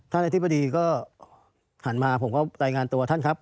อธิบดีก็หันมาผมก็รายงานตัวท่านครับ